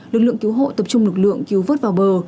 lực lượng cứu hộ tập trung lực lượng cứu vớt vào bờ